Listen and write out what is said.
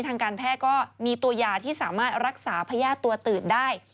ทางการแพทย์ก็มีตัวยาที่สามารถรักษาพญาติตัวตื่นได้